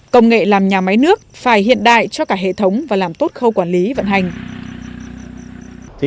công nghệ làm nhà máy nước phải hiện đại cho cả hệ thống và làm tốt khâu quản lý vận hành